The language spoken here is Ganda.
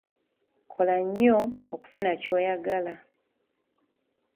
Kola nnyo okufuna ky'oyagala.